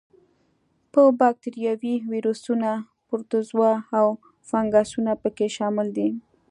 با کتریاوې، ویروسونه، پروتوزوا او فنګسونه په کې شامل دي.